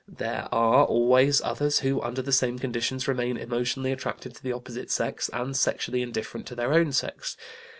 There are always others who under the same conditions remain emotionally attracted to the opposite sex and sexually indifferent to their own sex.